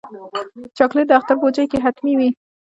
چاکلېټ د اختر بوجۍ کې حتمي وي.